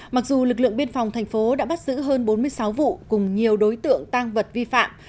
mặc dù lực lượng biên phòng thành phố đã bắt giữ hơn bốn mươi sáu vụ cùng nhiều đối tượng tăng vật vi phạm